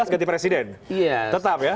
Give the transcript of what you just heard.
ganti presiden iya tetap ya